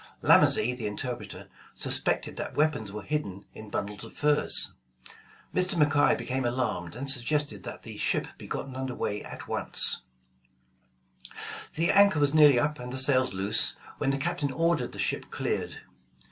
Lamazee, the interpreter, suspected that weapons were hidden in bundles of furs. Mr. ]\IcKay became alarmed and suggested that the ship be gotten under way at once The anchor was nearly up and the sails loose, when the Captain ordered the ship cleared.